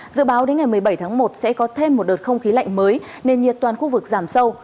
dự báo đến ngày một mươi bảy tháng một sẽ có thêm một đợt không khí lạnh mới nền nhiệt toàn khu vực giảm sâu